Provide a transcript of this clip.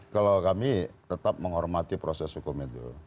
kalau kami tetap menghormati proses hukum itu